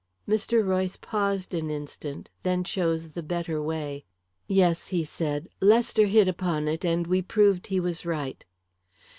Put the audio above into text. Mr. Royce paused an instant, then chose the better way. "Yes," he said. "Lester hit upon it, and we proved he was right."